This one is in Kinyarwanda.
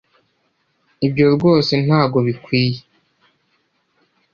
ibyo rwose ntago bikwiye